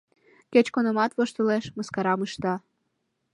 Кеч-кунамат воштылеш, мыскарам ышта.